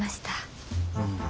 うん。